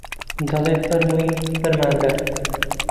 دەڵێ فەرمووی فەرماندەر